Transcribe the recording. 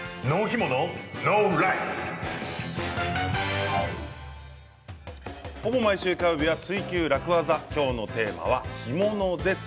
ほぼ毎週火曜日は「ツイＱ楽ワザ」今日のテーマは干物です。